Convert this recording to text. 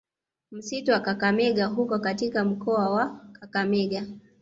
Msitu wa Kakamega huko katika mkoa wa Kakamega